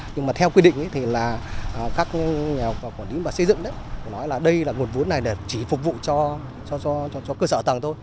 nhưng mà theo quy định thì các nhà quản lý xây dựng nói là đây là nguồn vốn này chỉ phục vụ cho cơ sở tầng thôi